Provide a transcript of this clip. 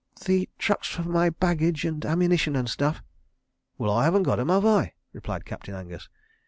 "The trucks for my baggage and ammunition and stuff." "Well, I haven't got 'em, have I?" replied Captain Angus.